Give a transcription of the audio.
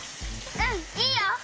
うんいいよ！